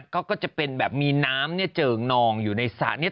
ก็เป็นแบบมีน้ำเจิงนองอยู่ในสระนี้